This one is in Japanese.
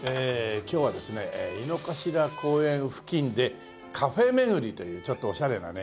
今日はですね井の頭公園付近でカフェ巡りというちょっとオシャレなね